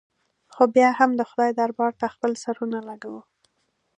خو بیا هم د خدای دربار ته خپل سرونه لږوو.